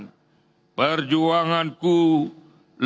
perjuangan perjalanan indonesia